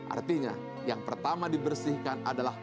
artinya yang pertama dibersihkan adalah